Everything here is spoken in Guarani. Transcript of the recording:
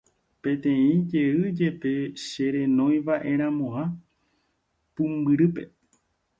peteĩ jey jepe che renoiva'eramo'ã pumbyrýpe